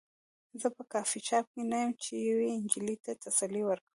زه په کافي شاپ کې نه یم چې یوې نجلۍ ته تسلي ورکړم